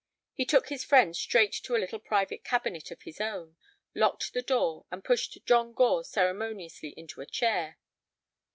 He took his friend straight to a little private cabinet of his own, locked the door, and pushed John Gore unceremoniously into a chair.